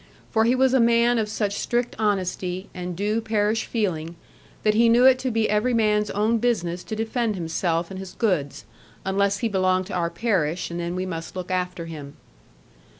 For he was a man of such strict honesty, and due parish feeling, that he knew it to be every man's own business to defend himself and his goods; unless he belonged to our parish, and then we must look after him.